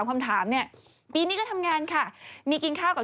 เอาองี้เดี๋ยวเราไปถามคุณมิ้นท์ชะลีดาว่า